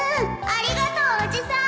ありがとうおじさん